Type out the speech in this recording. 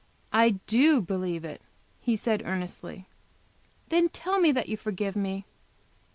"I do believe it," he said earnestly. "Then tell me that you forgive me!"